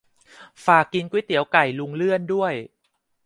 ฝากกินก๋วยเตี๋ยวไก่ลุงเลื่อนด้วย